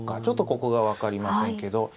ちょっとここが分かりませんけど。